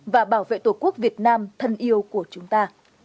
và bảo vệ tổ quốc việt nam thân yêu của chúng ta